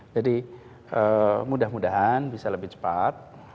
jadi mudah mudahan bisa lebih cepat